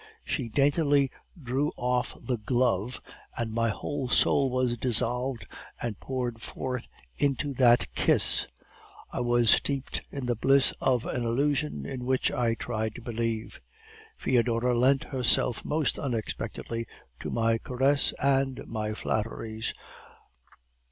She daintily drew off the glove, and my whole soul was dissolved and poured forth in that kiss. I was steeped in the bliss of an illusion in which I tried to believe. "Foedora lent herself most unexpectedly to my caress and my flatteries.